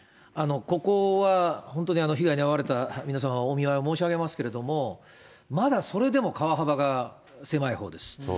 ここは本当に被害に遭われた皆様、お見舞い申し上げますけれども、まだそれでも川幅が狭いほうです。